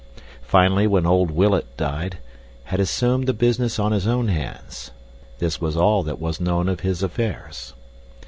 Finally, when old Willett died, had assumed the business on his own hands. This was all that was known of his affairs.